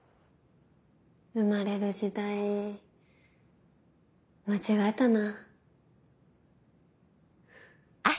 生まれる時代間違えたな。